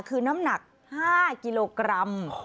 คือน้ำหนัก๕กิโลกรัม